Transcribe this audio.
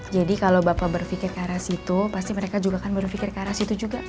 jadi kalau bapak berpikir ke arah situ pasti mereka juga kan berpikir ke arah situ juga